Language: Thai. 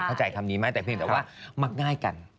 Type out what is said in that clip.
เข้าใจคำนี้ไหมแต่เพียงแต่ว่ามักง่ายกัน